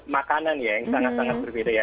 makanan ya yang sangat sangat berbeda ya